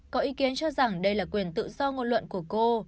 có ý kiến cho rằng đây là quyền tự do ngôn luận của cô